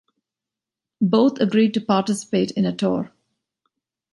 Both agreed to participate in a tour.